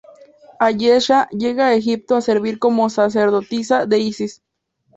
Ayesha llega a Egipto a servir como sacerdotisa de Isis.